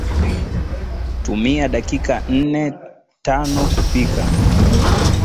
Tumia dakika nnetanokupika